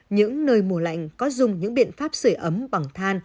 những nơi mùa lạnh có dùng những biện pháp sửa ấm bằng than